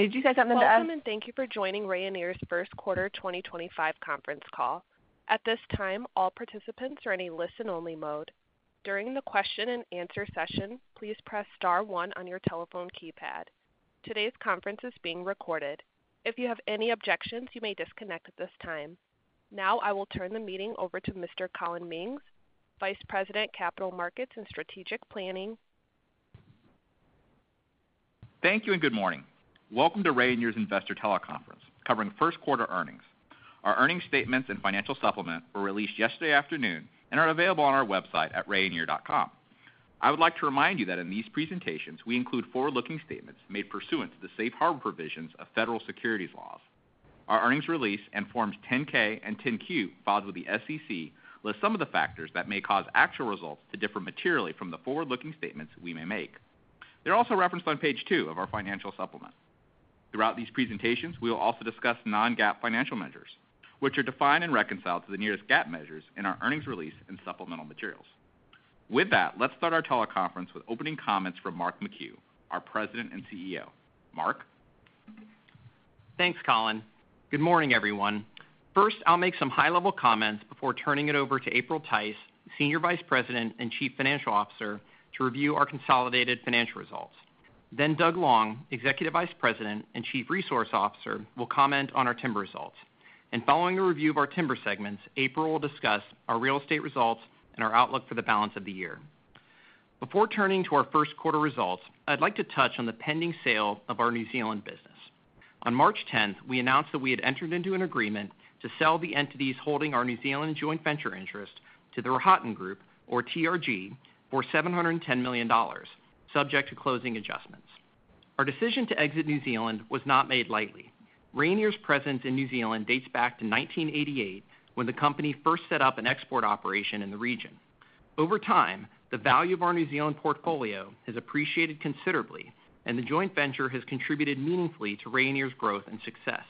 May you say something to us? Welcome, and thank you for joining Rayonier's First Quarter 2025 conference call. At this time, all participants are in a listen-only mode. During the question-and-answer session, please press star one on your telephone keypad. Today's conference is being recorded. If you have any objections, you may disconnect at this time. Now, I will turn the meeting over to Mr. Collin Mings, Vice President, Capital Markets and Strategic Planning. Thank you, and good morning. Welcome to Rayonier's Investor Teleconference, covering first quarter earnings. Our earnings statements and financial supplement were released yesterday afternoon and are available on our website at rayonier.com. I would like to remind you that in these presentations, we include forward-looking statements made pursuant to the safe harbor provisions of federal securities laws. Our earnings release and forms 10-K and 10-Q, filed with the SEC, list some of the factors that may cause actual results to differ materially from the forward-looking statements we may make. They are also referenced on page two of our financial supplement. Throughout these presentations, we will also discuss non-GAAP financial measures, which are defined and reconciled to the nearest GAAP measures in our earnings release and supplemental materials. With that, let's start our teleconference with opening comments from Mark McHugh, our President and CEO. Mark? Thanks, Collin. Good morning, everyone. First, I'll make some high-level comments before turning it over to April Tice, Senior Vice President and Chief Financial Officer, to review our consolidated financial results. Doug Long, Executive Vice President and Chief Resource Officer, will comment on our timber results. Following a review of our timber segments, April will discuss our real estate results and our outlook for the balance of the year. Before turning to our first quarter results, I'd like to touch on the pending sale of our New Zealand business. On March 10th, we announced that we had entered into an agreement to sell the entities holding our New Zealand joint venture interest to The Rohatyn Group, or TRG, for $710 million, subject to closing adjustments. Our decision to exit New Zealand was not made lightly. Rayonier's presence in New Zealand dates back to 1988, when the company first set up an export operation in the region. Over time, the value of our New Zealand portfolio has appreciated considerably, and the joint venture has contributed meaningfully to Rayonier's growth and success.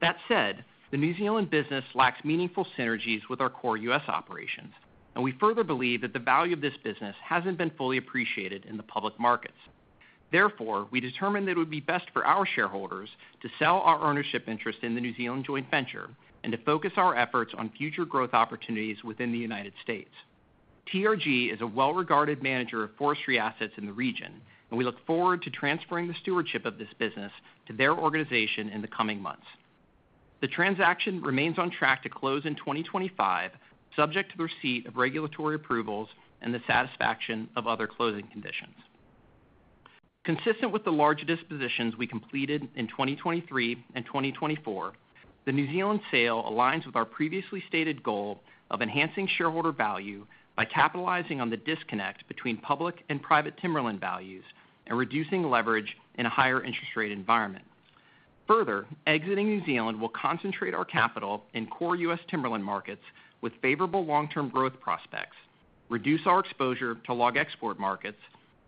That said, the New Zealand business lacks meaningful synergies with our core U.S. operations, and we further believe that the value of this business hasn't been fully appreciated in the public markets. Therefore, we determined that it would be best for our shareholders to sell our ownership interest in the New Zealand joint venture and to focus our efforts on future growth opportunities within the United States. The Rohatyn Group is a well-regarded manager of forestry assets in the region, and we look forward to transferring the stewardship of this business to their organization in the coming months. The transaction remains on track to close in 2025, subject to the receipt of regulatory approvals and the satisfaction of other closing conditions. Consistent with the larger dispositions we completed in 2023 and 2024, the New Zealand sale aligns with our previously stated goal of enhancing shareholder value by capitalizing on the disconnect between public and private timberland values and reducing leverage in a higher interest rate environment. Further, exiting New Zealand will concentrate our capital in core U.S. timberland markets with favorable long-term growth prospects, reduce our exposure to log export markets,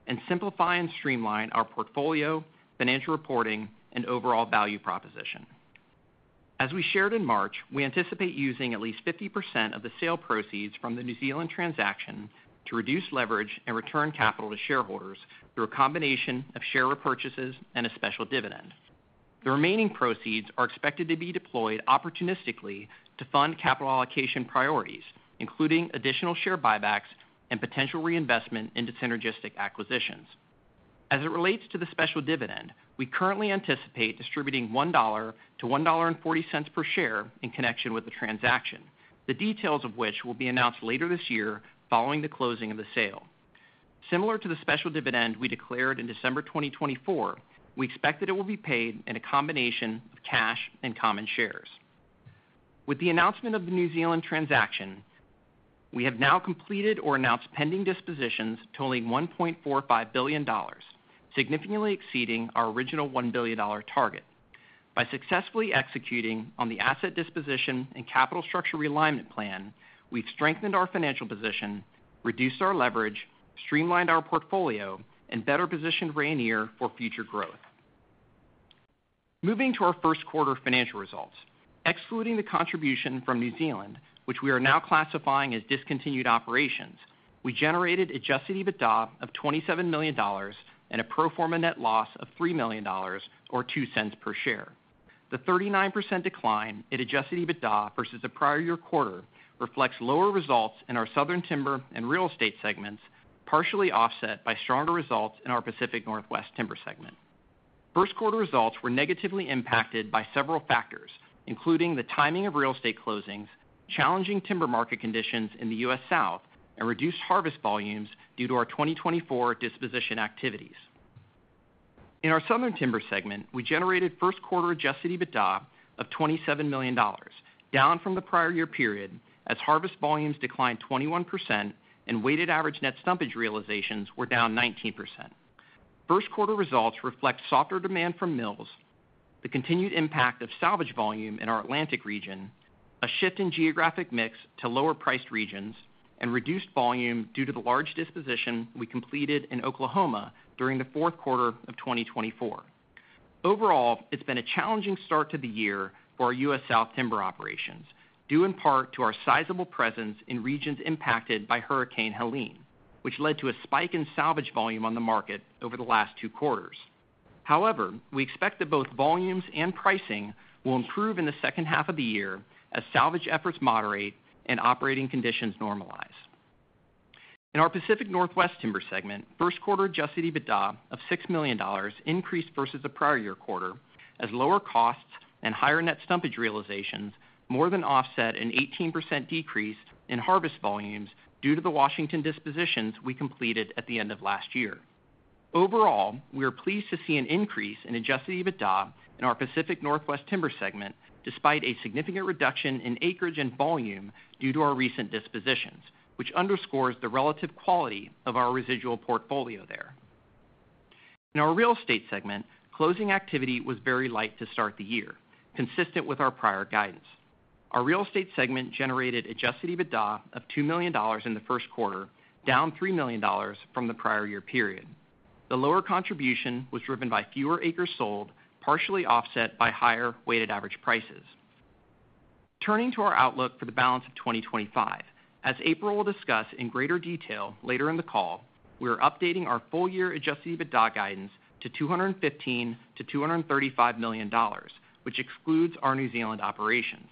and simplify and streamline our portfolio, financial reporting, and overall value proposition. As we shared in March, we anticipate using at least 50% of the sale proceeds from the New Zealand transaction to reduce leverage and return capital to shareholders through a combination of share repurchases and a special dividend. The remaining proceeds are expected to be deployed opportunistically to fund capital allocation priorities, including additional share buybacks and potential reinvestment into synergistic acquisitions. As it relates to the special dividend, we currently anticipate distributing $1-$1.40 per share in connection with the transaction, the details of which will be announced later this year following the closing of the sale. Similar to the special dividend we declared in December 2024, we expect that it will be paid in a combination of cash and common shares. With the announcement of the New Zealand transaction, we have now completed or announced pending dispositions totaling $1.45 billion, significantly exceeding our original $1 billion target. By successfully executing on the asset disposition and capital structure realignment plan, we've strengthened our financial position, reduced our leverage, streamlined our portfolio, and better positioned Rayonier for future growth. Moving to our first quarter financial results, excluding the contribution from New Zealand, which we are now classifying as discontinued operations, we generated adjusted EBITDA of $27 million and a pro forma net loss of $3 million, or $0.02 per share. The 39% decline in adjusted EBITDA versus the prior year quarter reflects lower results in our southern timber and real estate segments, partially offset by stronger results in our Pacific Northwest timber segment. First quarter results were negatively impacted by several factors, including the timing of real estate closings, challenging timber market conditions in the U.S. South, and reduced harvest volumes due to our 2024 disposition activities. In our southern timber segment, we generated first quarter adjusted EBITDA of $27 million, down from the prior year period as harvest volumes declined 21% and weighted average net stumpage realizations were down 19%. First quarter results reflect softer demand from mills, the continued impact of salvage volume in our Atlantic region, a shift in geographic mix to lower-priced regions, and reduced volume due to the large disposition we completed in Oklahoma during the fourth quarter of 2024. Overall, it's been a challenging start to the year for our U.S. South timber operations, due in part to our sizable presence in regions impacted by Hurricane Helene, which led to a spike in salvage volume on the market over the last two quarters. However, we expect that both volumes and pricing will improve in the second half of the year as salvage efforts moderate and operating conditions normalize. In our Pacific Northwest timber segment, first quarter adjusted EBITDA of $6 million increased versus the prior year quarter as lower costs and higher net stumpage realizations more than offset an 18% decrease in harvest volumes due to the Washington dispositions we completed at the end of last year. Overall, we are pleased to see an increase in adjusted EBITDA in our Pacific Northwest timber segment despite a significant reduction in acreage and volume due to our recent dispositions, which underscores the relative quality of our residual portfolio there. In our real estate segment, closing activity was very light to start the year, consistent with our prior guidance. Our real estate segment generated adjusted EBITDA of $2 million in the first quarter, down $3 million from the prior year period. The lower contribution was driven by fewer acres sold, partially offset by higher weighted average prices. Turning to our outlook for the balance of 2025, as April will discuss in greater detail later in the call, we are updating our full-year adjusted EBITDA guidance to $215 million-$235 million, which excludes our New Zealand operations.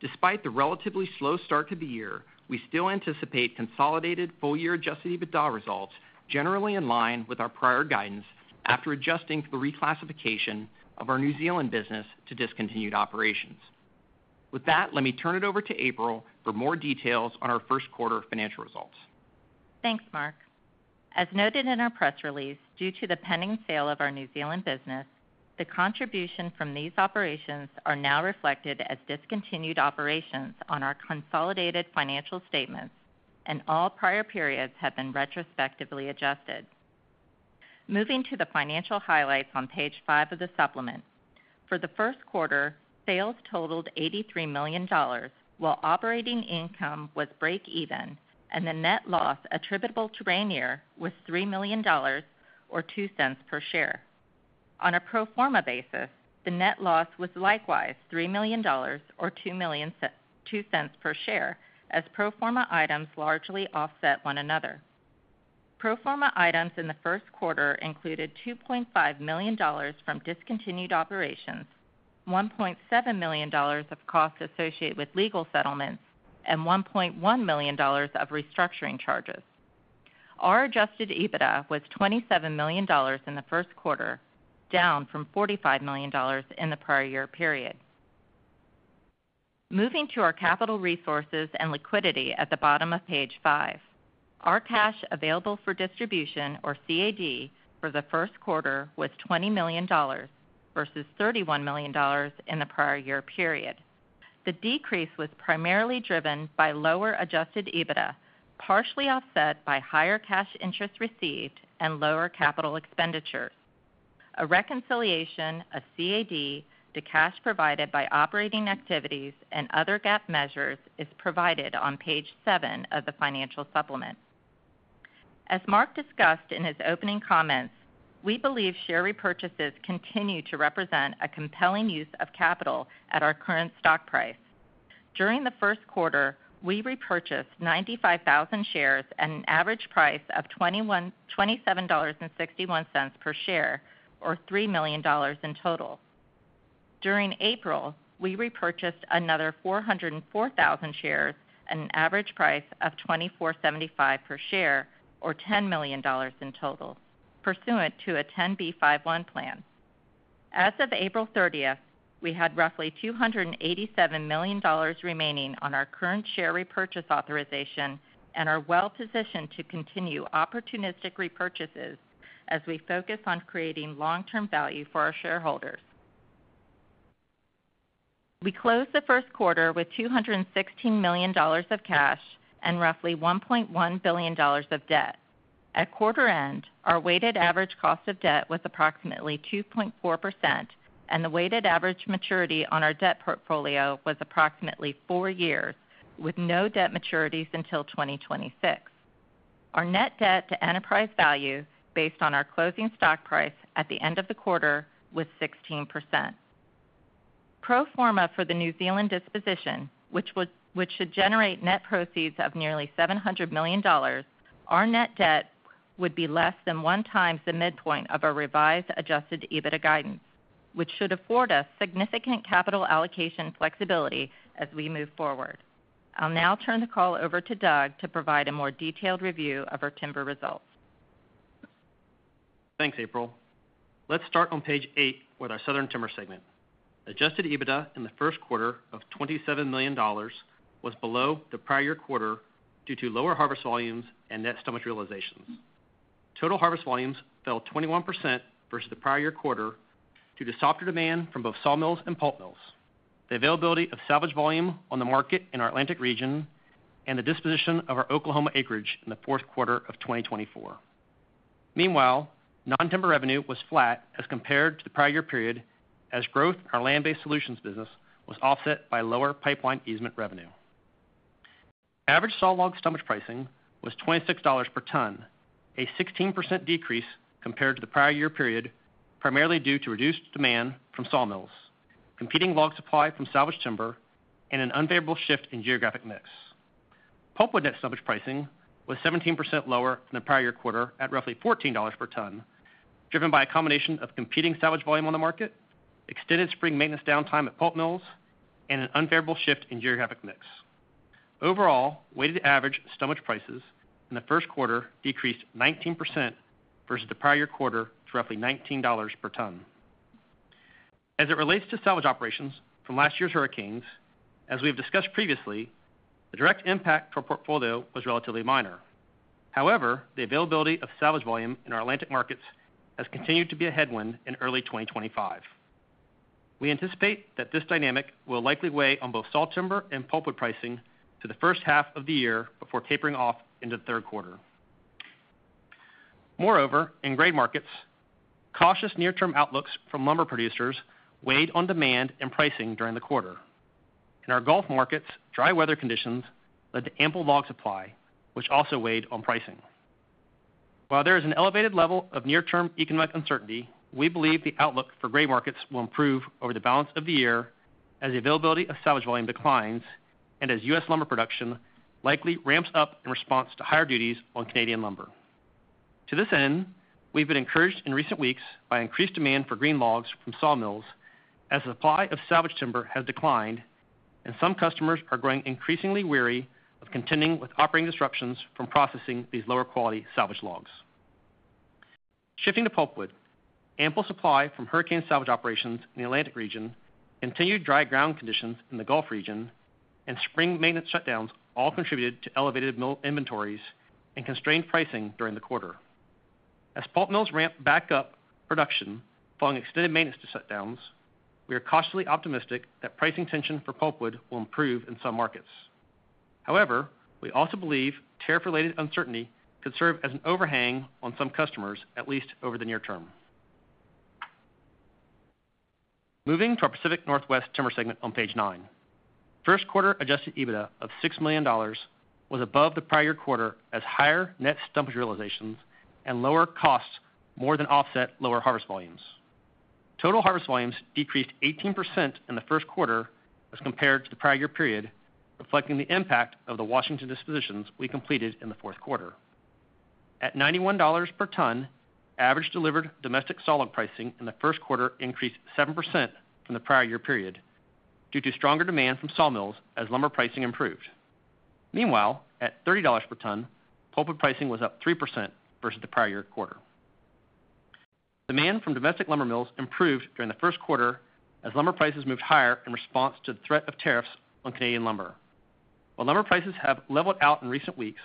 Despite the relatively slow start to the year, we still anticipate consolidated full-year adjusted EBITDA results generally in line with our prior guidance after adjusting for the reclassification of our New Zealand business to discontinued operations. With that, let me turn it over to April for more details on our first quarter financial results. Thanks, Mark. As noted in our press release, due to the pending sale of our New Zealand business, the contribution from these operations are now reflected as discontinued operations on our consolidated financial statements, and all prior periods have been retrospectively adjusted. Moving to the financial highlights on page five of the supplement. For the first quarter, sales totaled $83 million, while operating income was break-even, and the net loss attributable to Rayonier was $3 million, or $0.02 per share. On a pro forma basis, the net loss was likewise $3 million, or $0.02 per share, as pro forma items largely offset one another. Pro forma items in the first quarter included $2.5 million from discontinued operations, $1.7 million of costs associated with legal settlements, and $1.1 million of restructuring charges. Our adjusted EBITDA was $27 million in the first quarter, down from $45 million in the prior year period. Moving to our capital resources and liquidity at the bottom of page five. Our cash available for distribution, or CAD, for the first quarter was $20 million versus $31 million in the prior year period. The decrease was primarily driven by lower adjusted EBITDA, partially offset by higher cash interest received and lower capital expenditures. A reconciliation of CAD to cash provided by operating activities and other GAAP measures is provided on page seven of the financial supplement. As Mark discussed in his opening comments, we believe share repurchases continue to represent a compelling use of capital at our current stock price. During the first quarter, we repurchased 95,000 shares at an average price of $27.61 per share, or $3 million in total. During April, we repurchased another 404,000 shares at an average price of $24.75 per share, or $10 million in total, pursuant to a 10b5-1 plan. As of April 30th, we had roughly $287 million remaining on our current share repurchase authorization and are well-positioned to continue opportunistic repurchases as we focus on creating long-term value for our shareholders. We closed the first quarter with $216 million of cash and roughly $1.1 billion of debt. At quarter end, our weighted average cost of debt was approximately 2.4%, and the weighted average maturity on our debt portfolio was approximately four years, with no debt maturities until 2026. Our net debt to enterprise value, based on our closing stock price at the end of the quarter, was 16%. Pro forma for the New Zealand disposition, which should generate net proceeds of nearly $700 million, our net debt would be less than one time the midpoint of our revised adjusted EBITDA guidance, which should afford us significant capital allocation flexibility as we move forward. I'll now turn the call over to Doug to provide a more detailed review of our timber results. Thanks, April. Let's start on page eight with our Southern Timber segment. Adjusted EBITDA in the first quarter of $27 million was below the prior year quarter due to lower harvest volumes and net stumpage realizations. Total harvest volumes fell 21% versus the prior year quarter due to softer demand from both sawmills and pulp mills, the availability of salvage volume on the market in our Atlantic region, and the disposition of our Oklahoma acreage in the fourth quarter of 2024. Meanwhile, non-timber revenue was flat as compared to the prior year period, as growth in our land-based solutions business was offset by lower pipeline easement revenue. Average saw log stumpage pricing was $26 per ton, a 16% decrease compared to the prior year period, primarily due to reduced demand from sawmills, competing log supply from salvage timber, and an unfavorable shift in geographic mix. Pulpwood net stumpage pricing was 17% lower than the prior year quarter at roughly $14 per ton, driven by a combination of competing salvage volume on the market, extended spring maintenance downtime at pulp mills, and an unfavorable shift in geographic mix. Overall, weighted average stumpage prices in the first quarter decreased 19% versus the prior year quarter to roughly $19 per ton. As it relates to salvage operations from last year's hurricanes, as we have discussed previously, the direct impact to our portfolio was relatively minor. However, the availability of salvage volume in our Atlantic markets has continued to be a headwind in early 2024. We anticipate that this dynamic will likely weigh on both saw timber and pulpwood pricing through the first half of the year before tapering off into the third quarter. Moreover, in grade markets, cautious near-term outlooks from lumber producers weighed on demand and pricing during the quarter. In our Gulf markets, dry weather conditions led to ample log supply, which also weighed on pricing. While there is an elevated level of near-term economic uncertainty, we believe the outlook for grade markets will improve over the balance of the year as the availability of salvage volume declines and as U.S. lumber production likely ramps up in response to higher duties on Canadian lumber. To this end, we've been encouraged in recent weeks by increased demand for green logs from sawmills as the supply of salvage timber has declined, and some customers are growing increasingly wary of continuing with operating disruptions from processing these lower-quality salvage logs. Shifting to pulpwood, ample supply from hurricane salvage operations in the Atlantic region, continued dry ground conditions in the Gulf region, and spring maintenance shutdowns all contributed to elevated mill inventories and constrained pricing during the quarter. As pulp mills ramp back up production following extended maintenance shutdowns, we are cautiously optimistic that pricing tension for pulpwood will improve in some markets. However, we also believe tariff-related uncertainty could serve as an overhang on some customers, at least over the near term. Moving to our Pacific Northwest timber segment on page nine. First quarter adjusted EBITDA of $6 million was above the prior year quarter as higher net stumpage realizations and lower costs more than offset lower harvest volumes. Total harvest volumes decreased 18% in the first quarter as compared to the prior year period, reflecting the impact of the Washington dispositions we completed in the fourth quarter. At $91 per ton, average delivered domestic saw log pricing in the first quarter increased 7% from the prior year period due to stronger demand from saw mills as lumber pricing improved. Meanwhile, at $30 per ton, pulpwood pricing was up 3% versus the prior year quarter. Demand from domestic lumber mills improved during the first quarter as lumber prices moved higher in response to the threat of tariffs on Canadian lumber. While lumber prices have leveled out in recent weeks,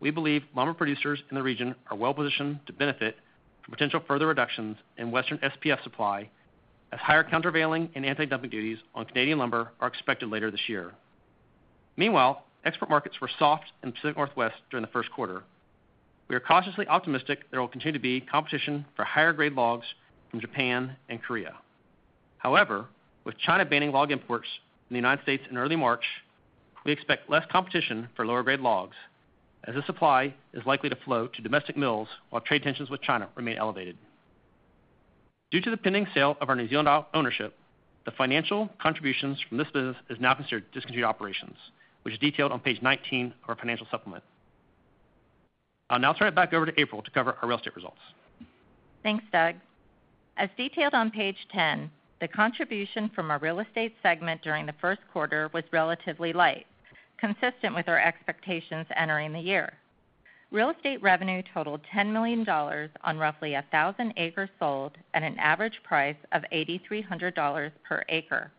we believe lumber producers in the region are well-positioned to benefit from potential further reductions in Western SPF supply as higher countervailing and anti-dumping duties on Canadian lumber are expected later this year. Meanwhile, export markets were soft in the Pacific Northwest during the first quarter. We are cautiously optimistic there will continue to be competition for higher-grade logs from Japan and Korea. However, with China banning log imports in the United States in early March, we expect less competition for lower-grade logs as the supply is likely to flow to domestic mills while trade tensions with China remain elevated. Due to the pending sale of our New Zealand ownership, the financial contributions from this business are now considered discontinued operations, which is detailed on page 19 of our financial supplement. I'll now turn it back over to April to cover our real estate results. Thanks, Doug. As detailed on page 10, the contribution from our real estate segment during the first quarter was relatively light, consistent with our expectations entering the year. Real estate revenue totaled $10 million on roughly 1,000 acres sold at an average price of $8,300 per acre.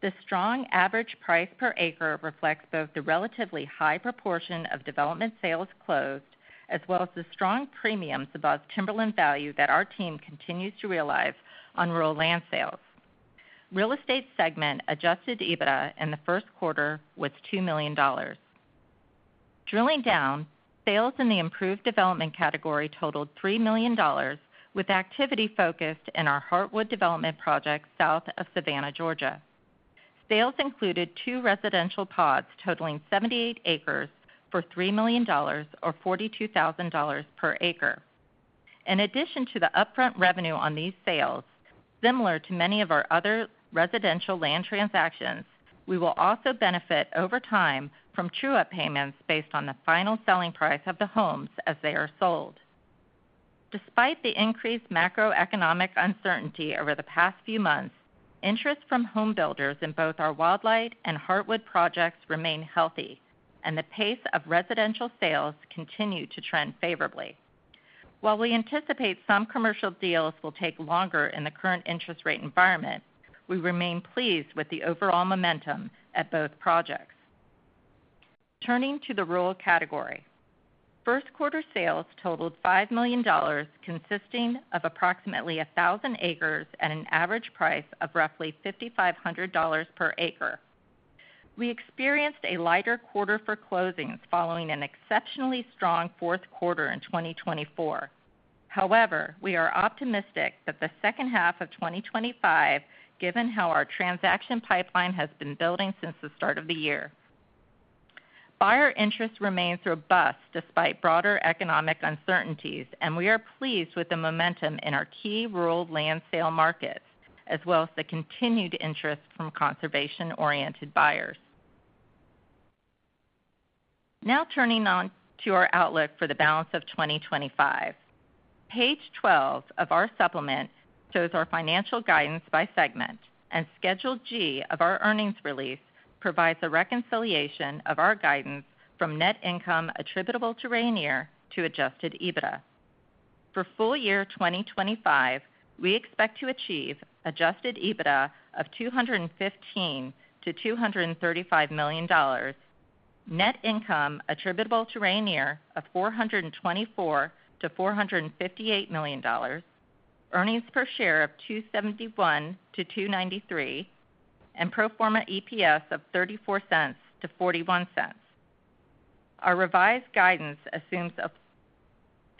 The strong average price per acre reflects both the relatively high proportion of development sales closed as well as the strong premiums above timberland value that our team continues to realize on rural land sales. Real estate segment adjusted EBITDA in the first quarter was $2 million. Drilling down, sales in the improved development category totaled $3 million, with activity focused in our Heartwood development project south of Savannah, Georgia. Sales included two residential pods totaling 78 acres for $3 million, or $42,000 per acre. In addition to the upfront revenue on these sales, similar to many of our other residential land transactions, we will also benefit over time from true-up payments based on the final selling price of the homes as they are sold. Despite the increased macroeconomic uncertainty over the past few months, interest from homebuilders in both our Wildlight and Heartwood projects remained healthy, and the pace of residential sales continued to trend favorably. While we anticipate some commercial deals will take longer in the current interest rate environment, we remain pleased with the overall momentum at both projects. Turning to the rural category, first quarter sales totaled $5 million, consisting of approximately 1,000 acres at an average price of roughly $5,500 per acre. We experienced a lighter quarter for closings following an exceptionally strong fourth quarter in 2024. However, we are optimistic that the second half of 2025, given how our transaction pipeline has been building since the start of the year. Buyer interest remains robust despite broader economic uncertainties, and we are pleased with the momentum in our key rural land sale markets, as well as the continued interest from conservation-oriented buyers. Now turning on to our outlook for the balance of 2025. Page 12 of our supplement shows our financial guidance by segment, and Schedule G of our earnings release provides a reconciliation of our guidance from net income attributable to Rayonier to adjusted EBITDA. For full year 2025, we expect to achieve adjusted EBITDA of $215 million-$235 million, net income attributable to Rayonier of $424 million-$458 million, earnings per share of $2.71-$2.93, and pro forma EPS of $0.34-$0.41. Our revised guidance assumes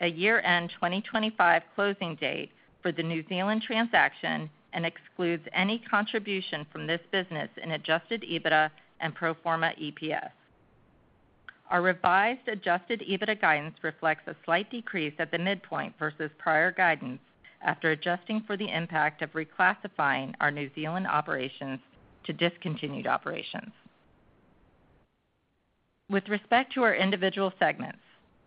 a year-end 2025 closing date for the New Zealand transaction and excludes any contribution from this business in adjusted EBITDA and pro forma EPS. Our revised adjusted EBITDA guidance reflects a slight decrease at the midpoint versus prior guidance after adjusting for the impact of reclassifying our New Zealand operations to discontinued operations. With respect to our individual segments,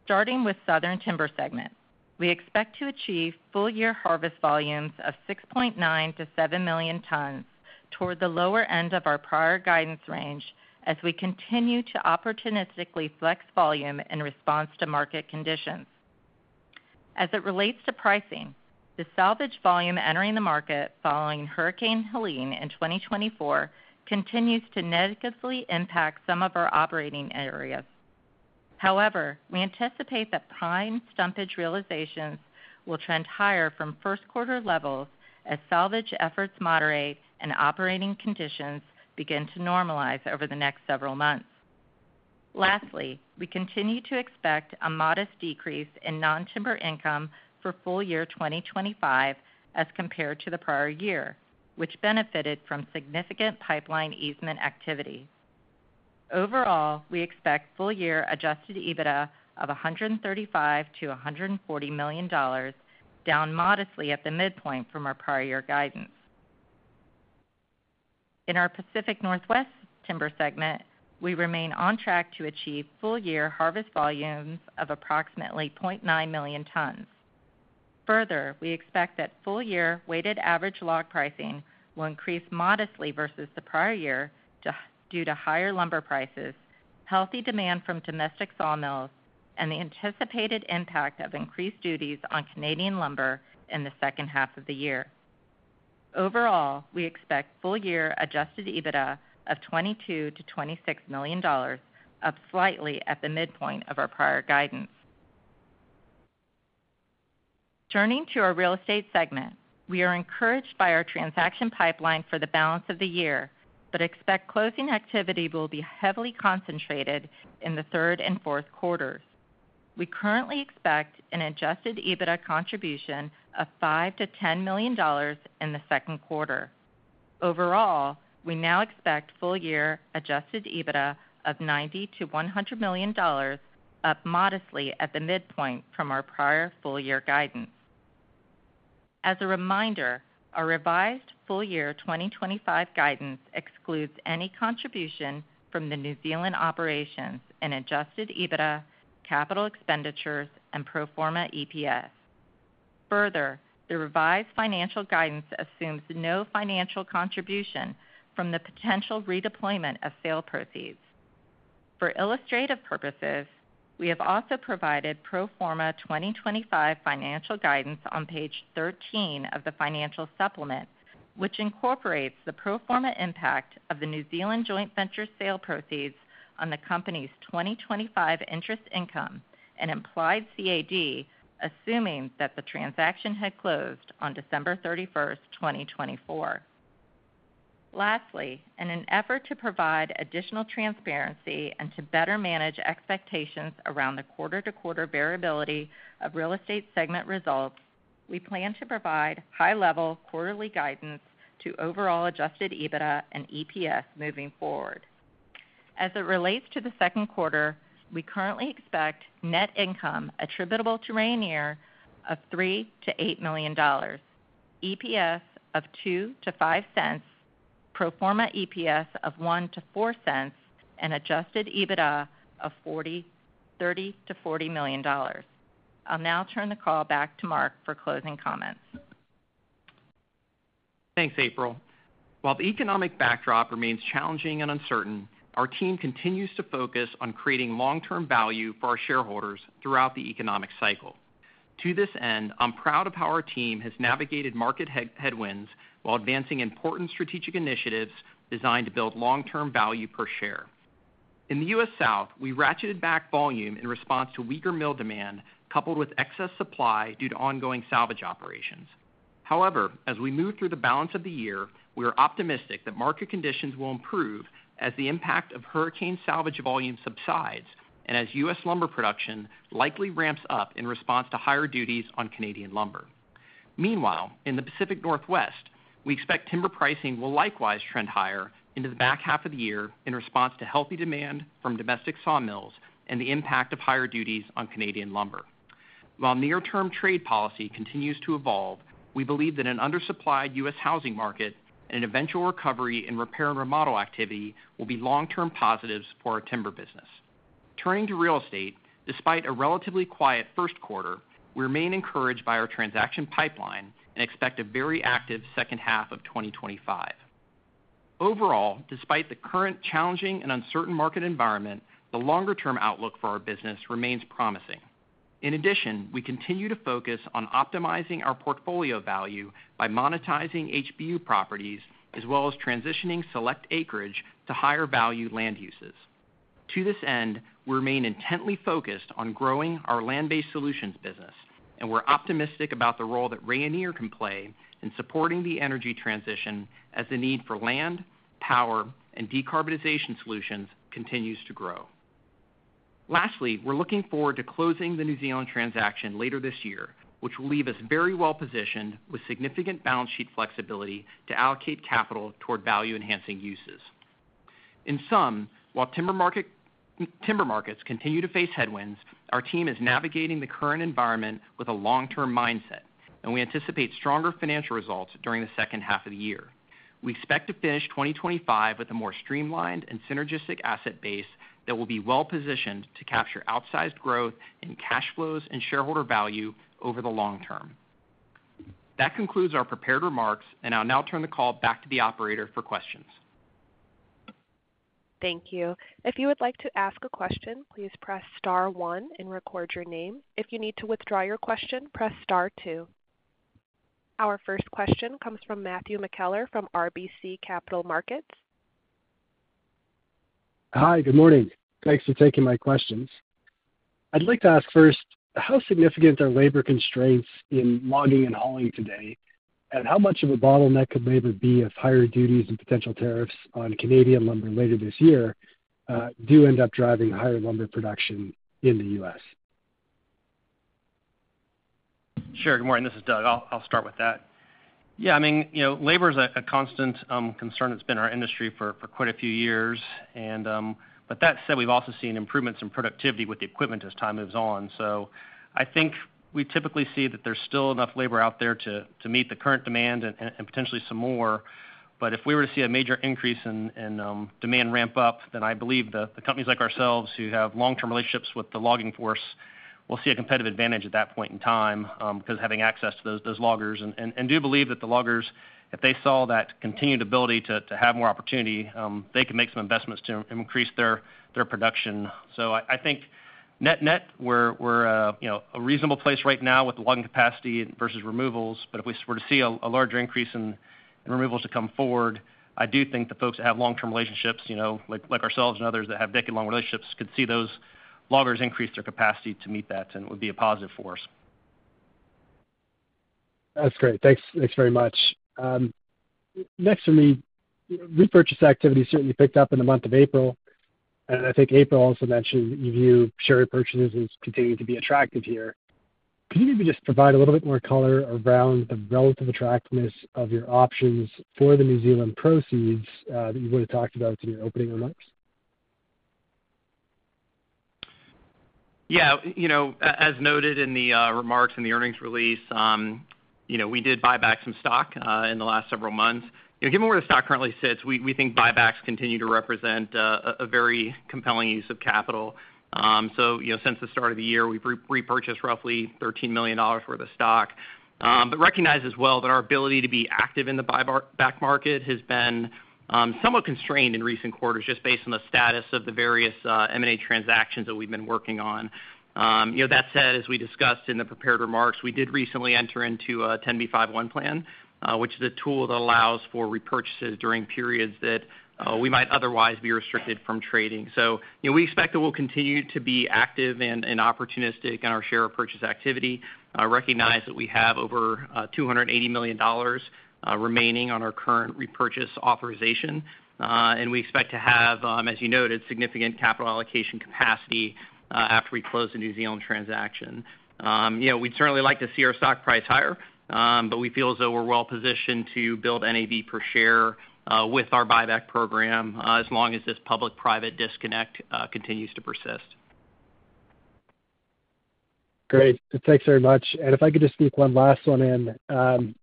starting with southern timber segment, we expect to achieve full year harvest volumes of 6.9 million-7 million tons toward the lower end of our prior guidance range as we continue to opportunistically flex volume in response to market conditions. As it relates to pricing, the salvage volume entering the market following Hurricane Helene in 2024 continues to negatively impact some of our operating areas. However, we anticipate that prime stumpage realizations will trend higher from first quarter levels as salvage efforts moderate and operating conditions begin to normalize over the next several months. Lastly, we continue to expect a modest decrease in non-timber income for full year 2025 as compared to the prior year, which benefited from significant pipeline easement activity. Overall, we expect full year adjusted EBITDA of $135 million-$140 million, down modestly at the midpoint from our prior year guidance. In our Pacific Northwest timber segment, we remain on track to achieve full year harvest volumes of approximately 0.9 million tons. Further, we expect that full year weighted average log pricing will increase modestly versus the prior year due to higher lumber prices, healthy demand from domestic saw mills, and the anticipated impact of increased duties on Canadian lumber in the second half of the year. Overall, we expect full year adjusted EBITDA of $22 million-$26 million, up slightly at the midpoint of our prior guidance. Turning to our real estate segment, we are encouraged by our transaction pipeline for the balance of the year, but expect closing activity will be heavily concentrated in the third and fourth quarters. We currently expect an adjusted EBITDA contribution of $5 million-$10 million in the second quarter. Overall, we now expect full year adjusted EBITDA of $90 million-$100 million, up modestly at the midpoint from our prior full year guidance. As a reminder, our revised full year 2025 guidance excludes any contribution from the New Zealand operations in adjusted EBITDA, capital expenditures, and pro forma EPS. Further, the revised financial guidance assumes no financial contribution from the potential redeployment of sale proceeds. For illustrative purposes, we have also provided pro forma 2025 financial guidance on page 13 of the financial supplement, which incorporates the pro forma impact of the New Zealand joint venture sale proceeds on the company's 2025 interest income and implied CAD, assuming that the transaction had closed on December 31, 2024. Lastly, in an effort to provide additional transparency and to better manage expectations around the quarter-to-quarter variability of real estate segment results, we plan to provide high-level quarterly guidance to overall adjusted EBITDA and EPS moving forward. As it relates to the second quarter, we currently expect net income attributable to Rayonier of $3 million-$8 million, EPS of $0.02-$0.05, pro forma EPS of $0.01-$0.04, and adjusted EBITDA of $30 million-$40 million. I'll now turn the call back to Mark for closing comments. Thanks, April. While the economic backdrop remains challenging and uncertain, our team continues to focus on creating long-term value for our shareholders throughout the economic cycle. To this end, I'm proud of how our team has navigated market headwinds while advancing important strategic initiatives designed to build long-term value per share. In the U.S. South, we ratcheted back volume in response to weaker mill demand coupled with excess supply due to ongoing salvage operations. However, as we move through the balance of the year, we are optimistic that market conditions will improve as the impact of hurricane salvage volume subsides and as U.S. lumber production likely ramps up in response to higher duties on Canadian lumber. Meanwhile, in the Pacific Northwest, we expect timber pricing will likewise trend higher into the back half of the year in response to healthy demand from domestic saw mills and the impact of higher duties on Canadian lumber. While near-term trade policy continues to evolve, we believe that an undersupplied U.S. housing market and eventual recovery in repair and remodel activity will be long-term positives for our timber business. Turning to real estate, despite a relatively quiet first quarter, we remain encouraged by our transaction pipeline and expect a very active second half of 2025. Overall, despite the current challenging and uncertain market environment, the longer-term outlook for our business remains promising. In addition, we continue to focus on optimizing our portfolio value by monetizing HBU properties as well as transitioning select acreage to higher-value land uses. To this end, we remain intently focused on growing our land-based solutions business, and we're optimistic about the role that Rayonier can play in supporting the energy transition as the need for land, power, and decarbonization solutions continues to grow. Lastly, we're looking forward to closing the New Zealand transaction later this year, which will leave us very well positioned with significant balance sheet flexibility to allocate capital toward value-enhancing uses. In sum, while timber markets continue to face headwinds, our team is navigating the current environment with a long-term mindset, and we anticipate stronger financial results during the second half of the year. We expect to finish 2025 with a more streamlined and synergistic asset base that will be well positioned to capture outsized growth in cash flows and shareholder value over the long term. That concludes our prepared remarks, and I'll now turn the call back to the operator for questions. Thank you. If you would like to ask a question, please press star one and record your name. If you need to withdraw your question, press star two. Our first question comes from Matthew McKellar from RBC Capital Markets. Hi, good morning. Thanks for taking my questions. I'd like to ask first, how significant are labor constraints in logging and hauling today, and how much of a bottleneck could labor be if higher duties and potential tariffs on Canadian lumber later this year do end up driving higher lumber production in the U.S.? Sure. Good morning. This is Doug. I'll start with that. I mean, labor is a constant concern. It's been our industry for quite a few years. That said, we've also seen improvements in productivity with the equipment as time moves on. I think we typically see that there's still enough labor out there to meet the current demand and potentially some more. If we were to see a major increase in demand ramp up, I believe the companies like ourselves who have long-term relationships with the logging force will see a competitive advantage at that point in time because of having access to those loggers. I do believe that the loggers, if they saw that continued ability to have more opportunity, they can make some investments to increase their production. I think net net, we're a reasonable place right now with the logging capacity versus removals. If we were to see a larger increase in removals to come forward, I do think the folks that have long-term relationships, like ourselves and others that have decade-long relationships, could see those loggers increase their capacity to meet that, and it would be a positive for us. That's great. Thanks very much. Next for me, repurchase activity certainly picked up in the month of April. I think April also mentioned that you view share repurchases as continuing to be attractive here. Could you maybe just provide a little bit more color around the relative attractiveness of your options for the New Zealand proceeds that you would have talked about in your opening remarks? Yeah. As noted in the remarks and the earnings release, we did buy back some stock in the last several months. Given where the stock currently sits, we think buybacks continue to represent a very compelling use of capital. Since the start of the year, we've repurchased roughly $13 million worth of stock. Recognize as well that our ability to be active in the buyback market has been somewhat constrained in recent quarters just based on the status of the various M&A transactions that we've been working on. That said, as we discussed in the prepared remarks, we did recently enter into a 10b5-1 plan, which is a tool that allows for repurchases during periods that we might otherwise be restricted from trading. We expect that we'll continue to be active and opportunistic in our share repurchase activity. Recognize that we have over $280 million remaining on our current repurchase authorization. We expect to have, as you noted, significant capital allocation capacity after we close the New Zealand transaction. We'd certainly like to see our stock price higher, but we feel as though we're well positioned to build NAV per share with our buyback program as long as this public-private disconnect continues to persist. Great. Thanks very much. If I could just sneak one last one in.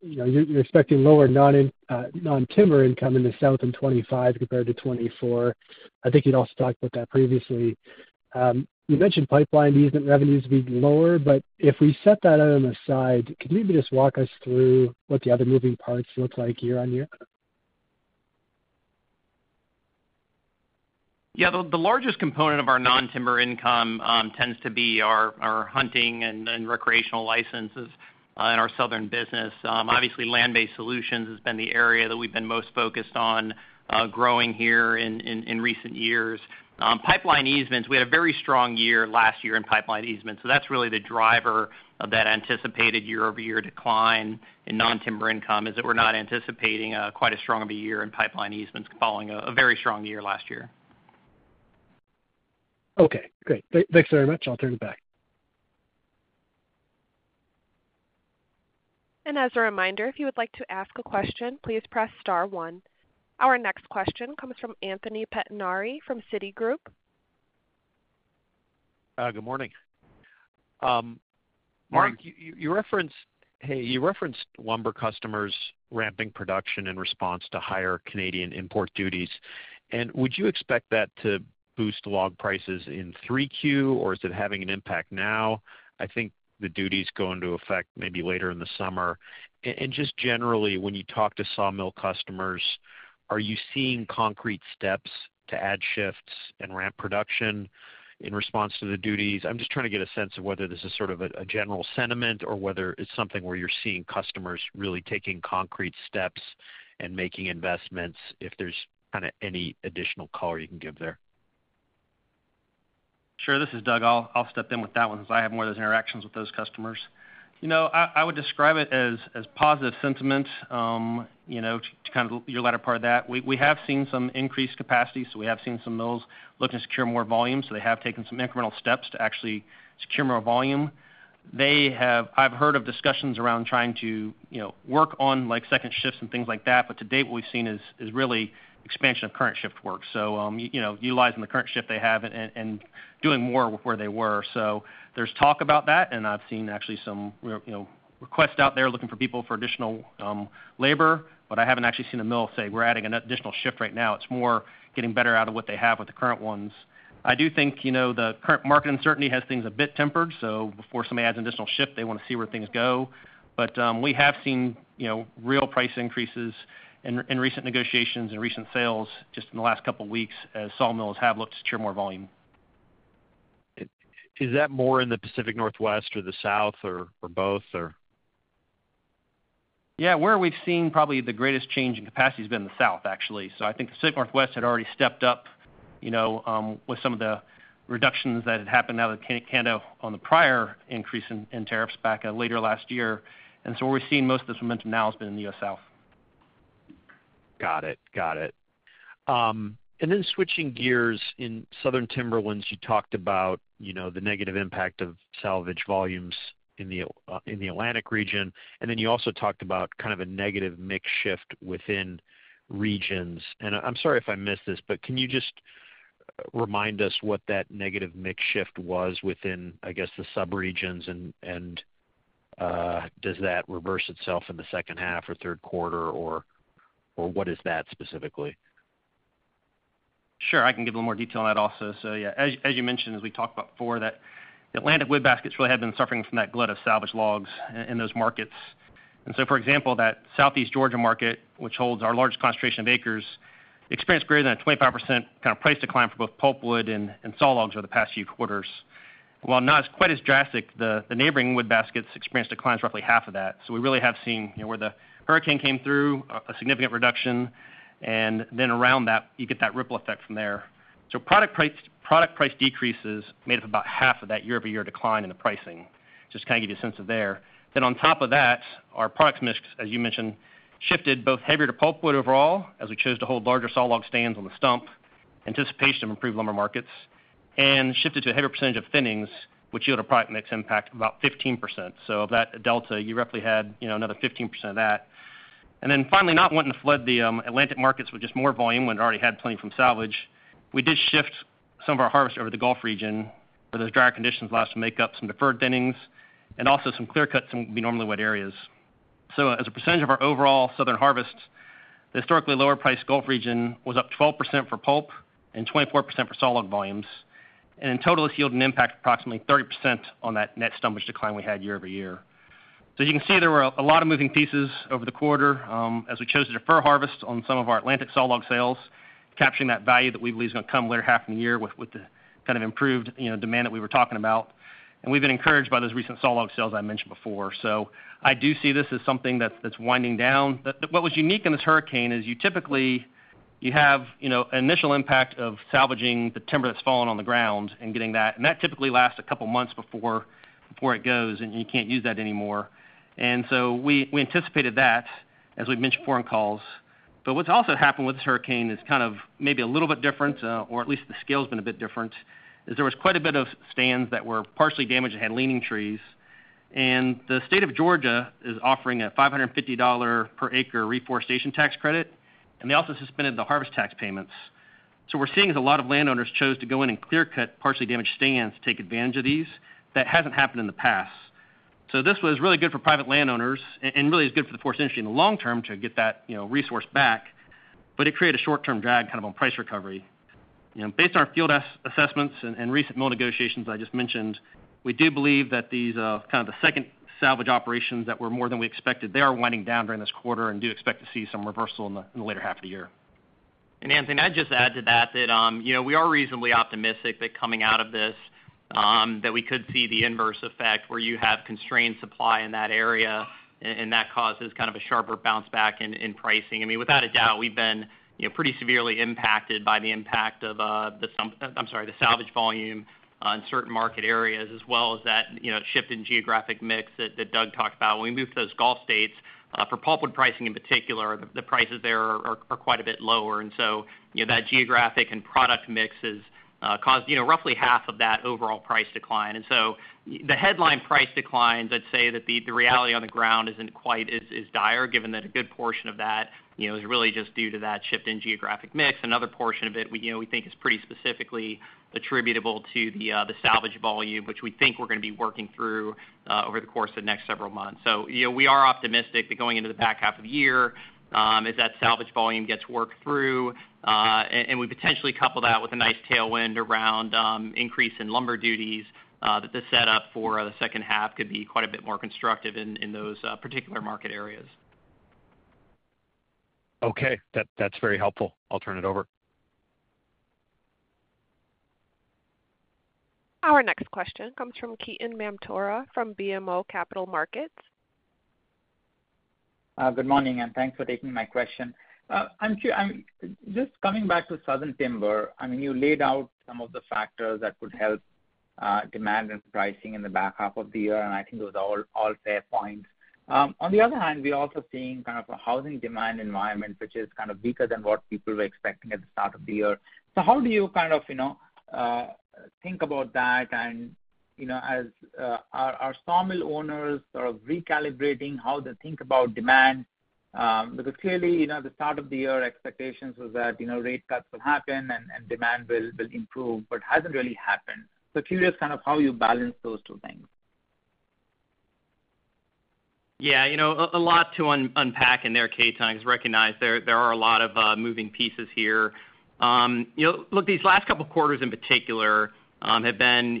You're expecting lower non-timber income in the South in 2025 compared to 2024. I think you'd also talked about that previously. You mentioned pipeline easement revenues being lower, but if we set that aside, could you maybe just walk us through what the other moving parts look like year on year? Yeah. The largest component of our non-timber income tends to be our hunting and recreational licenses in our southern business. Obviously, land-based solutions has been the area that we've been most focused on growing here in recent years. Pipeline easements, we had a very strong year last year in pipeline easements. That is really the driver of that anticipated year-over-year decline in non-timber income is that we're not anticipating quite as strong of a year in pipeline easements following a very strong year last year. Okay. Great. Thanks very much. I'll turn it back. As a reminder, if you would like to ask a question, please press star one. Our next question comes from Anthony Pettinari from Citigroup. Good morning. Mark, you referenced lumber customers ramping production in response to higher Canadian import duties. Would you expect that to boost log prices in 3Q, or is it having an impact now? I think the duties go into effect maybe later in the summer. Just generally, when you talk to sawmill customers, are you seeing concrete steps to add shifts and ramp production in response to the duties? I'm just trying to get a sense of whether this is sort of a general sentiment or whether it's something where you're seeing customers really taking concrete steps and making investments, if there's kind of any additional color you can give there. Sure. This is Doug. I'll step in with that one since I have more of those interactions with those customers. I would describe it as positive sentiment to kind of your latter part of that. We have seen some increased capacity. We have seen some mills looking to secure more volume. They have taken some incremental steps to actually secure more volume. I've heard of discussions around trying to work on second shifts and things like that. To date, what we've seen is really expansion of current shift work. Utilizing the current shift they have and doing more with where they were. There is talk about that. I've seen actually some requests out there looking for people for additional labor. I haven't actually seen a mill say, "We're adding an additional shift right now." It's more getting better out of what they have with the current ones. I do think the current market uncertainty has things a bit tempered. Before somebody adds an additional shift, they want to see where things go. We have seen real price increases in recent negotiations and recent sales just in the last couple of weeks as sawmills have looked to secure more volume. Is that more in the Pacific Northwest or the South or both? Yeah. Where we've seen probably the greatest change in capacity has been the South, actually. I think the Pacific Northwest had already stepped up with some of the reductions that had happened out of Canada on the prior increase in tariffs back later last year. Where we're seeing most of this momentum now has been in the U.S. South. Got it. Got it. Switching gears, in southern timberlands, you talked about the negative impact of salvage volumes in the Atlantic region. You also talked about kind of a negative mix shift within regions. I'm sorry if I missed this, but can you just remind us what that negative mix shift was within, I guess, the subregions? Does that reverse itself in the second half or third quarter, or what is that specifically? Sure. I can give a little more detail on that also. Yeah, as you mentioned, as we talked about before, the Atlantic wood baskets really have been suffering from that glut of salvage logs in those markets. For example, that Southeast Georgia market, which holds our largest concentration of acres, experienced greater than a 25% kind of price decline for both pulpwood and saw logs over the past few quarters. While not quite as drastic, the neighboring wood baskets experienced declines roughly half of that. We really have seen where the hurricane came through, a significant reduction, and then around that, you get that ripple effect from there. Product price decreases made up about half of that year-over-year decline in the pricing, just to kind of give you a sense of there. On top of that, our product mix, as you mentioned, shifted both heavier to pulpwood overall as we chose to hold larger saw log stands on the stump, in anticipation of improved lumber markets, and shifted to a heavier percentage of thinnings, which yielded a product mix impact of about 15%. Of that delta, you roughly had another 15% of that. Finally, not wanting to flood the Atlantic markets with just more volume when it already had plenty from salvage, we did shift some of our harvest over to the Gulf region where those drier conditions allow us to make up some deferred thinnings and also some clear cuts in normally wet areas. As a percentage of our overall southern harvest, the historically lower-priced Gulf region was up 12% for pulp and 24% for saw log volumes. In total, this yielded an impact of approximately 30% on that net stumpage decline we had year over year. As you can see, there were a lot of moving pieces over the quarter as we chose to defer harvest on some of our Atlantic saw log sales, capturing that value that we believe is going to come later half of the year with the kind of improved demand that we were talking about. We have been encouraged by those recent saw log sales I mentioned before. I do see this as something that's winding down. What was unique in this hurricane is you typically have an initial impact of salvaging the timber that's fallen on the ground and getting that. That typically lasts a couple of months before it goes, and you can't use that anymore. We anticipated that, as we mentioned before on calls. What has also happened with this hurricane that is maybe a little bit different, or at least the scale has been a bit different, is there was quite a bit of stands that were partially damaged and had leaning trees. The state of Georgia is offering a $550 per acre reforestation tax credit. They also suspended the harvest tax payments. What we are seeing is a lot of landowners chose to go in and clear cut partially damaged stands to take advantage of these. That has not happened in the past. This was really good for private landowners and really is good for the forest industry in the long term to get that resource back. It created a short-term drag on price recovery. Based on our field assessments and recent mill negotiations I just mentioned, we do believe that these kind of the second salvage operations that were more than we expected, they are winding down during this quarter and do expect to see some reversal in the later half of the year. Anthony, I'd just add to that that we are reasonably optimistic that coming out of this, we could see the inverse effect where you have constrained supply in that area, and that causes kind of a sharper bounce back in pricing. I mean, without a doubt, we've been pretty severely impacted by the impact of the, I'm sorry, the salvage volume in certain market areas, as well as that shift in geographic mix that Doug talked about. When we moved to those Gulf States, for pulpwood pricing in particular, the prices there are quite a bit lower. That geographic and product mix has caused roughly half of that overall price decline. The headline price declines, I'd say that the reality on the ground isn't quite as dire, given that a good portion of that is really just due to that shift in geographic mix. Another portion of it we think is pretty specifically attributable to the salvage volume, which we think we're going to be working through over the course of the next several months. We are optimistic that going into the back half of the year, as that salvage volume gets worked through, and we potentially couple that with a nice tailwind around increase in lumber duties, that the setup for the second half could be quite a bit more constructive in those particular market areas. Okay. That's very helpful. I'll turn it over. Our next question comes from Ketan Mamtora from BMO Capital Markets. Good morning, and thanks for taking my question. Just coming back to southern timber, I mean, you laid out some of the factors that could help demand and pricing in the back half of the year. I think those are all fair points. On the other hand, we are also seeing kind of a housing demand environment, which is kind of weaker than what people were expecting at the start of the year. How do you kind of think about that? As our sawmill owners are recalibrating how they think about demand, because clearly at the start of the year, expectations were that rate cuts will happen and demand will improve, but it has not really happened. Curious kind of how you balance those two things. Yeah. A lot to unpack in there, Ketan, because recognize there are a lot of moving pieces here. Look, these last couple of quarters in particular have been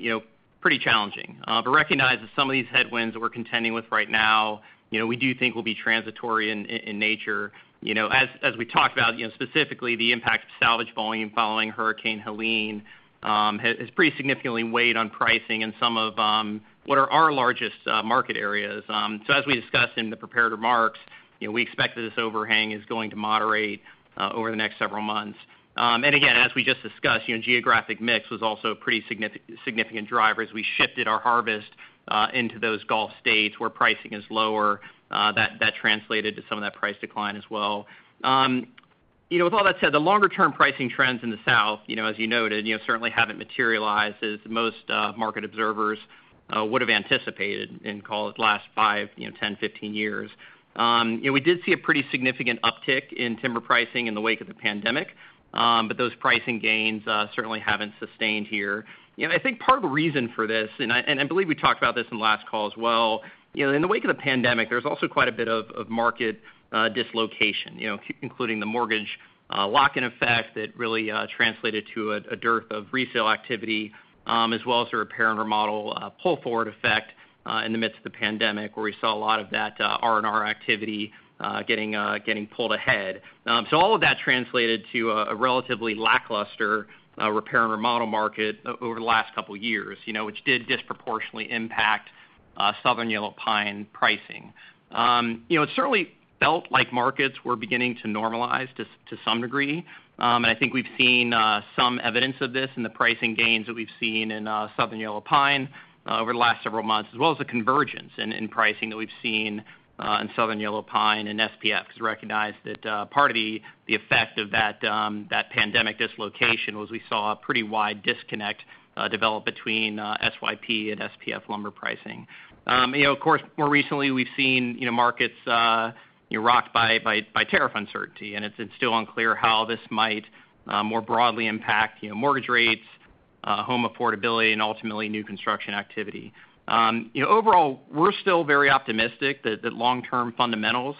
pretty challenging. Recognize that some of these headwinds that we're contending with right now, we do think will be transitory in nature. As we talked about, specifically the impact of salvage volume following Hurricane Helene has pretty significantly weighed on pricing in some of what are our largest market areas. As we discussed in the preparatory remarks, we expect that this overhang is going to moderate over the next several months. Again, as we just discussed, geographic mix was also a pretty significant driver as we shifted our harvest into those Gulf States where pricing is lower. That translated to some of that price decline as well. With all that said, the longer-term pricing trends in the South, as you noted, certainly have not materialized as most market observers would have anticipated in, call it, the last 5, 10, 15 years. We did see a pretty significant uptick in timber pricing in the wake of the pandemic, but those pricing gains certainly have not sustained here. I think part of the reason for this, and I believe we talked about this in the last call as well, in the wake of the pandemic, there is also quite a bit of market dislocation, including the mortgage lock-in effect that really translated to a dearth of resale activity, as well as the repair and remodel pull-forward effect in the midst of the pandemic, where we saw a lot of that R&R activity getting pulled ahead. All of that translated to a relatively lackluster repair and remodel market over the last couple of years, which did disproportionately impact Southern Yellow Pine pricing. It certainly felt like markets were beginning to normalize to some degree. I think we've seen some evidence of this in the pricing gains that we've seen in Southern Yellow Pine over the last several months, as well as the convergence in pricing that we've seen in Southern Yellow Pine and SPF, because recognize that part of the effect of that pandemic dislocation was we saw a pretty wide disconnect develop between SYP and SPF lumber pricing. Of course, more recently, we've seen markets rocked by tariff uncertainty. It's still unclear how this might more broadly impact mortgage rates, home affordability, and ultimately new construction activity. Overall, we're still very optimistic that long-term fundamentals,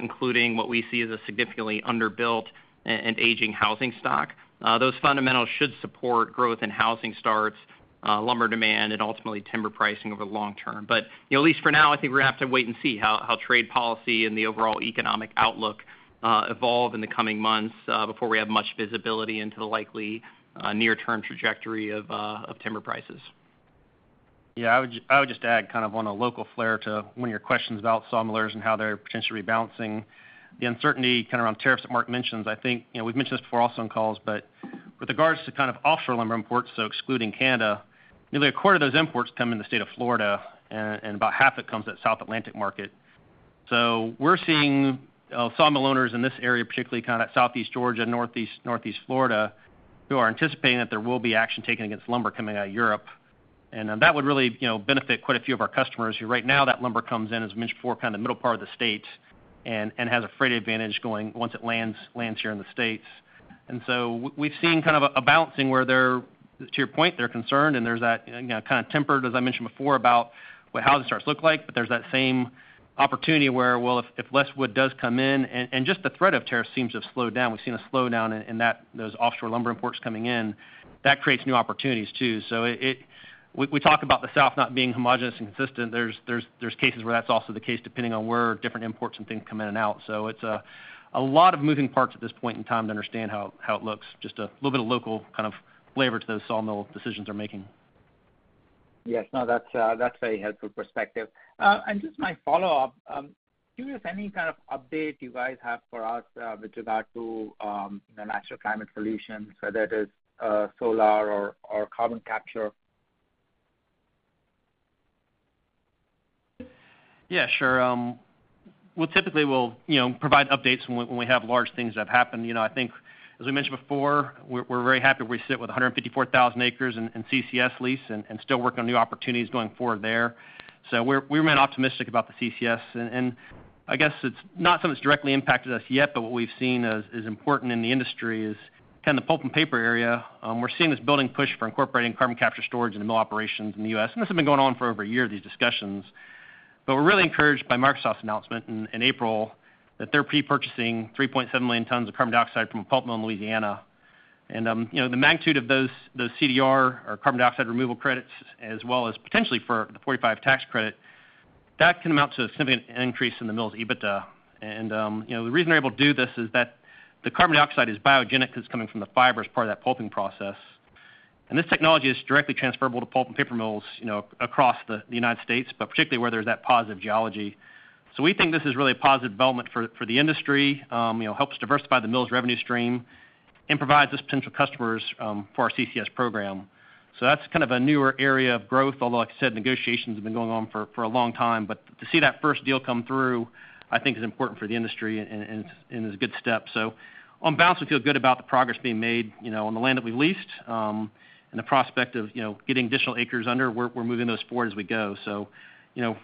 including what we see as a significantly underbuilt and aging housing stock, those fundamentals should support growth in housing starts, lumber demand, and ultimately timber pricing over the long term. At least for now, I think we're going to have to wait and see how trade policy and the overall economic outlook evolve in the coming months before we have much visibility into the likely near-term trajectory of timber prices. Yeah. I would just add kind of on a local flare to one of your questions about sawmillers and how they're potentially rebalancing. The uncertainty kind of around tariffs that Mark mentions, I think we've mentioned this before also in calls, but with regards to kind of offshore lumber imports, so excluding Canada, nearly a quarter of those imports come in the state of Florida, and about half of it comes at South Atlantic market. We are seeing sawmill owners in this area, particularly kind of at Southeast Georgia, Northeast Florida, who are anticipating that there will be action taken against lumber coming out of Europe. That would really benefit quite a few of our customers who right now that lumber comes in, as mentioned before, kind of the middle part of the state and has a freight advantage once it lands here in the States. We have seen kind of a balancing where, to your point, they are concerned, and there is that kind of tempered, as I mentioned before, about how the starts look like. There is that same opportunity where, if less wood does come in, and just the threat of tariffs seems to have slowed down, we have seen a slowdown in those offshore lumber imports coming in. That creates new opportunities too. We talk about the South not being homogenous and consistent. There are cases where that is also the case, depending on where different imports and things come in and out. It is a lot of moving parts at this point in time to understand how it looks, just a little bit of local kind of flavor to those sawmill decisions they are making. Yes. No, that's a very helpful perspective. Just my follow-up, curious any kind of update you guys have for us with regard to natural climate solutions, whether it is solar or carbon capture? Yeah, sure. Typically, we'll provide updates when we have large things that have happened. I think, as we mentioned before, we're very happy where we sit with 154,000 acres in CCS lease and still working on new opportunities going forward there. We remain optimistic about the CCS. I guess it's not something that's directly impacted us yet, but what we've seen as important in the industry is kind of the pulp and paper area. We're seeing this building push for incorporating carbon capture storage into mill operations in the U.S. This has been going on for over a year, these discussions. We're really encouraged by Microsoft's announcement in April that they're pre-purchasing 3.7 million tons of carbon dioxide from a pulp mill in Louisiana. The magnitude of those CDR, or carbon dioxide removal credits, as well as potentially for the 45 tax credit, can amount to a significant increase in the mill's EBITDA. The reason they're able to do this is that the carbon dioxide is biogenic because it's coming from the fiber as part of that pulping process. This technology is directly transferable to pulp and paper mills across the United States, particularly where there's that positive geology. We think this is really a positive development for the industry, helps diversify the mill's revenue stream, and provides us potential customers for our CCS program. That's kind of a newer area of growth, although, like I said, negotiations have been going on for a long time. To see that first deal come through, I think, is important for the industry and is a good step. On balance, we feel good about the progress being made on the land that we've leased. The prospect of getting additional acres under, we're moving those forward as we go.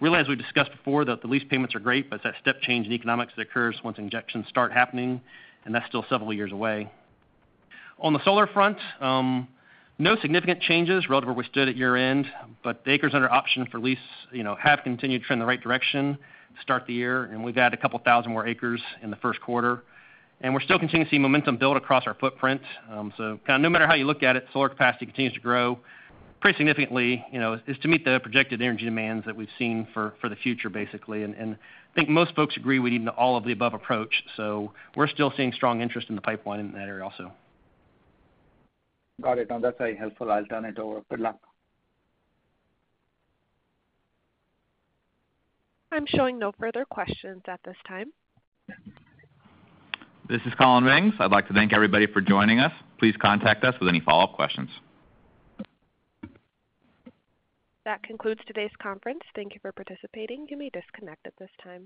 Really, as we've discussed before, the lease payments are great, but it's that step change in economics that occurs once injections start happening, and that's still several years away. On the solar front, no significant changes relative to where we stood at year-end, but the acres under option for lease have continued to trend in the right direction to start the year. We've added a couple thousand more acres in the first quarter. We're still continuing to see momentum build across our footprint. Kind of no matter how you look at it, solar capacity continues to grow pretty significantly to meet the projected energy demands that we've seen for the future, basically. I think most folks agree we need all of the above approach. We're still seeing strong interest in the pipeline in that area also. Got it. No, that's a helpful alternative. Good luck. I'm showing no further questions at this time. This is Collin Mings. I'd like to thank everybody for joining us. Please contact us with any follow-up questions. That concludes today's conference. Thank you for participating. You may disconnect at this time.